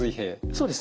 そうです。